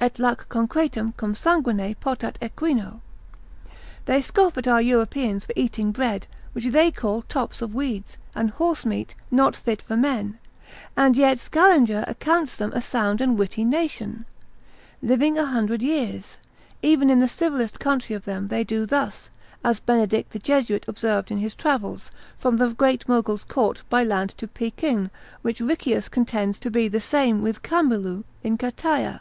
Et lac concretum cum sanguine potat equino. They scoff at our Europeans for eating bread, which they call tops of weeds, and horse meat, not fit for men; and yet Scaliger accounts them a sound and witty nation, living a hundred years; even in the civilest country of them they do thus, as Benedict the Jesuit observed in his travels, from the great Mogul's Court by land to Pekin, which Riccius contends to be the same with Cambulu in Cataia.